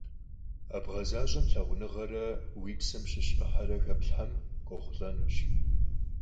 А бгъэзащӀэм лъагъуныгъэрэ уи псэм щыщ Ӏыхьэрэ хэплъхьэмэ, къохъулӀэнущ.